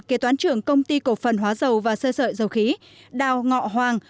kế toán trưởng công ty cổ phần hóa dầu và sơ sợi dầu khí đào ngọ hoàng